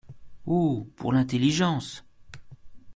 Oh ! pour l’intelligence !…